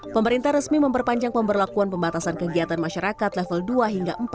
pemerintah resmi memperpanjang pemberlakuan pembatasan kegiatan masyarakat level dua hingga empat